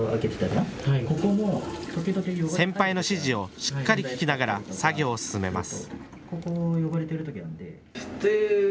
先輩の指示をしっかり聞きながら作業を進めます。